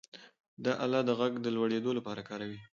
دا آله د غږ د لوړېدو لپاره کاروي.